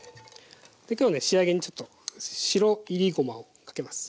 今日はね仕上げにちょっと白いりごまをかけます。